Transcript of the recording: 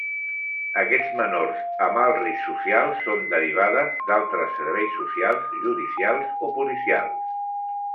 Aquests menors amb alt risc social, són derivades d'altres serveis socials, judicials o policials.